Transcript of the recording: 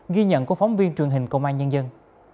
ghi nhận của phóng viên truyền hình công an nhân dân